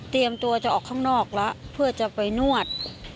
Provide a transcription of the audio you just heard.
ตัวจะออกข้างนอกแล้วเพื่อจะไปนวด